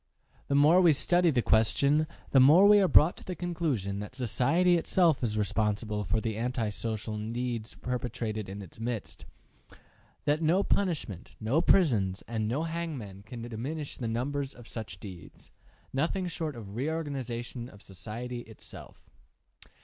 The more we study the question, the more we are brought to the conclusion that society itself is responsible for the anti social deeds perpetrated in its midst, and that no punishment, no prisons, and no hangmen can diminish the numbers of such deeds; nothing short of a reorganization of society itself.